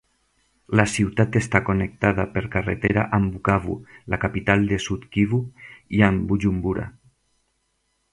La ciutat està connectada per carretera amb Bukavu, la capital de Sud-Kivu, i amb Bujumbura.